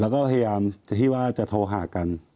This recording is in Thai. แล้วก็พยายามจะที่ว่าจะโทรหากัน